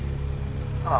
「ああ。